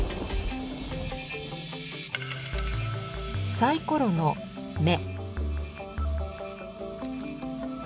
サイコロの目。